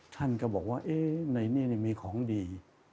ท่านก็บอกว่าในนี้มีของดี